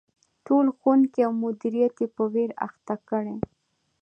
ټول ښوونکي او مدیریت یې په ویر اخته کړي.